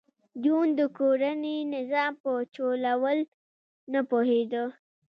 جون د کورني نظام په چلولو نه پوهېده